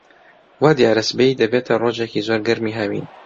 وا دیارە سبەی دەبێتە ڕۆژێکی زۆر گەرمی هاوین.